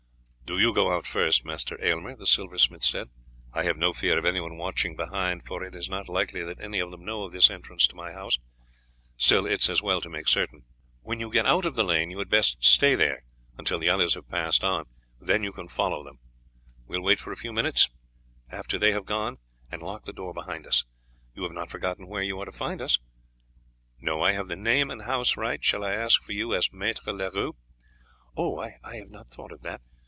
"Do you go out first, Master Aylmer," the silversmith said. "I have no fear of anyone watching behind, for it is not likely that any of them know of this entrance to my house; still, it is as well to make certain. When you get out of the lane you had best stay there until the others have passed on, then you can follow them. We will wait for a few minutes after they have gone, and lock the door behind us. You have not forgotten where you are to find us." "No, I have the name and house right. Shall I ask for you as Maître Leroux?" "I have not thought of that.